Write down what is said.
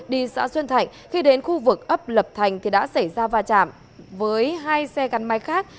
đi xã xuân thạnh khi đến khu vực ấp lập thành thì đã xảy ra va chạm với hai xe gắn máy khác